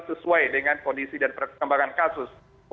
sesuai dengan kondisi dan perkembangan kasus